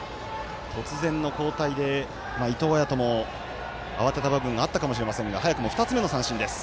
突然の交代で伊藤彩斗も慌てた部分があったかもしれませんが早くも２つ目の三振です。